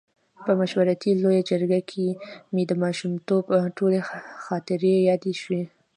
په مشورتي لویه جرګه کې مې د ماشومتوب ټولې خاطرې یادې شوې.